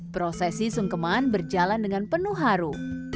prosesi sungkeman berjalan dengan penuh haru